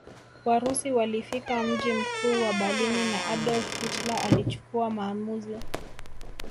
Warusi walifika mji mkuu wa Berlini na Adolf Hitler alichukua maamuzi